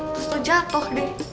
terus lo jatoh deh